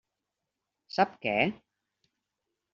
Sap què?